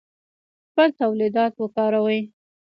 خپل تولیدات وکاروئ